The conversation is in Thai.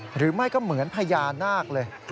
หรือไม่ก็เหมือนพญานาคเลย